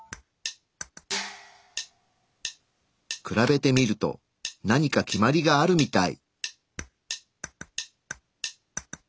比べてみると何か決まりがあるみたい。